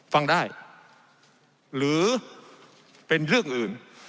ฟังได้หรือเป็นเรื่องอื่น